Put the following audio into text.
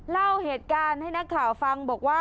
เล่าเหตุการณ์ให้นักข่าวฟังบอกว่า